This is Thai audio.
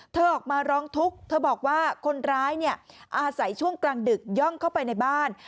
ออกมาร้องทุกข์เธอบอกว่าคนร้ายเนี่ยอาศัยช่วงกลางดึกย่องเข้าไปในบ้าน